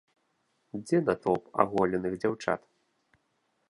Дзе натоўп аголеных дзяўчат?!